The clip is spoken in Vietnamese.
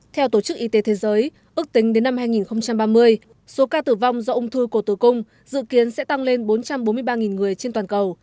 theo tổ chức y tế thế giới ước tính đến năm hai nghìn ba mươi số ca tử vong do ung thư cổ tử cung dự kiến sẽ tăng lên bốn trăm bốn mươi ba người trên toàn cầu